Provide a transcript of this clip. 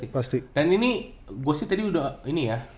pasti dan ini gue sih tadi udah ini ya